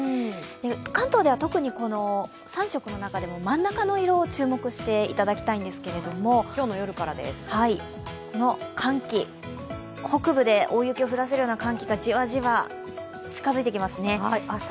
関東では特にこの３色の中でも真ん中の色に注目していただきたいんですけど、この寒気、北部で大雪を降らせるような寒気がじわじわ近づいてきます。